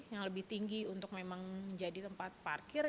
yang lebih tinggi untuk memang menjadi tempat parkir